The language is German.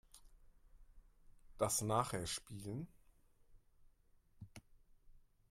Das nachher spielen.